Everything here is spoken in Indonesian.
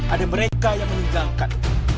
ada mereka yang meninggalkan